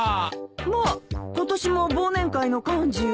まあ今年も忘年会の幹事を？